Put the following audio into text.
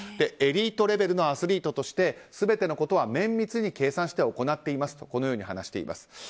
エリートレベルのアスリートとして、全てのことは綿密に計算して行っていますとこのように話しています。